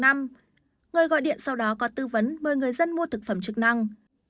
người gọi điện sau đó có tư vấn mời người dân mua thực phẩm chức năng